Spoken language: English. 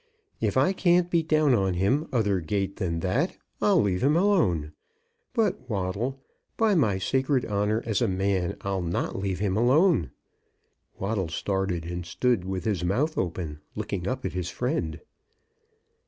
"If I can't be down on him other gait than that, I'll leave him alone. But, Waddle, by my sacred honour as a man, I'll not leave him alone!" Waddle started, and stood with his mouth open, looking up at his friend.